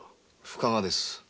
深川です。